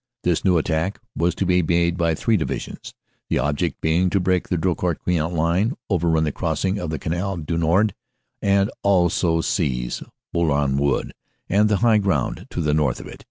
This new attack was to be made by three Divisions, the object being to break the Drocourt Queant line, overrun the crossings of the Canal du Nord, and also seize Bourlon Wood and the high ground to the north of it.